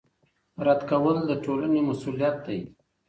رد کول د ټولنې مسوولیت دی